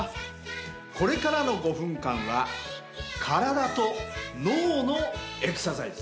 これからの５分間は体と脳のエクササイズ。